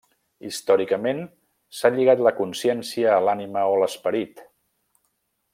Històricament, s'ha lligat la consciència a l'ànima o esperit.